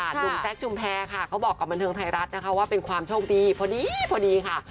หนุ่มแซคชุมแพรค่ะเขาบอกกับบันเทิงไทยรัฐนะคะว่าเป็นความโชคดีพอดีพอดีค่ะ